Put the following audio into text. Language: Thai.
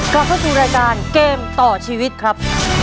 กลับเข้าสู่รายการเกมต่อชีวิตครับ